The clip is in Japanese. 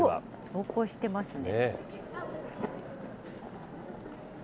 登校してますね。